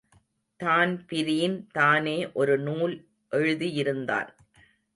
Dan Breen தானே ஒரு நூல் எழுதியிருந்தான்.